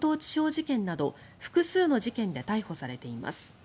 事件など複数の事件で逮捕されています。